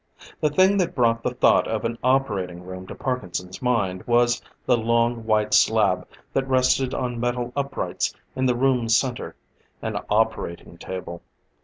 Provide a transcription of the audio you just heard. The thing that brought the thought of an operating room to Parkinson's mind was the long, white slab that rested on metal uprights in the room's center an operating table.